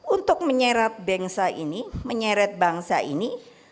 untuk menyeret bangsa ini